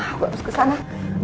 aku harus kesana